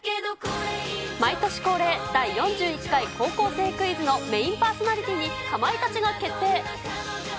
毎年恒例、第４１回高校生クイズのメインパーソナリティーにかまいたちが決定。